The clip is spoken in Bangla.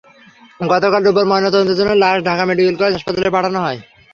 গতকাল রোববার ময়নাতদন্তের জন্য লাশ ঢাকা মেডিকেল কলেজ হাসপাতালে পাঠানো হয়।